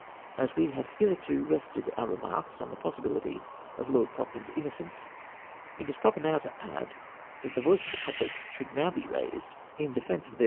As we have hitherto rested our remarks on the possibility of Lord Cochrane's innocence, it is proper now to add that the voice of the public should now be raised in defence of their VOL.